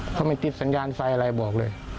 เขาไม่ติดสัญญาณไฟอะไรบอกเลย